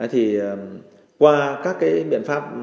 thì qua các cái biện pháp